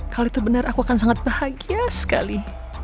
kalau itu benar aku akan sangat bahagia sekali